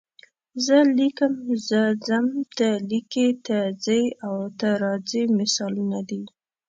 زه لیکم، زه ځم، ته لیکې، ته ځې او ته راځې مثالونه دي.